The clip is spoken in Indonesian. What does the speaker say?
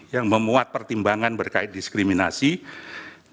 yang memuat pertimbangan berkait diskriminasi disarat umur